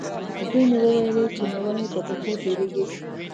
زوی مې وویلې، چې میوه مې په پښو تېرېږي.